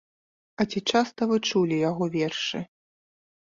А ці часта вы чулі яго вершы?